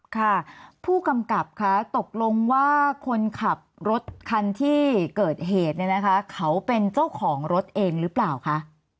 ค่ะผู้กำกับค่ะตกลงว่าคนขับรถคันที่เกิดเหตุเนี่ยนะคะเขาเป็นเจ้าของรถเองหรือเปล่าคะ